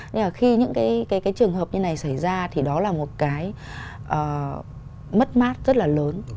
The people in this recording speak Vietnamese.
nhưng mà khi những cái trường hợp như này xảy ra thì đó là một cái mất mát rất là lớn